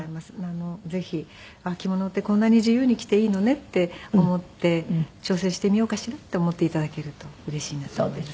ぜひ着物ってこんなに自由に着ていいのねって思って挑戦してみようかしらって思って頂けるとうれしいなと思います。